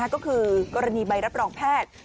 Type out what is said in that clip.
ก็คือกรณีใบรับรองแพทย์